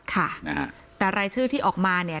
ค่ะนะฮะแต่รายชื่อที่ออกมาเนี่ย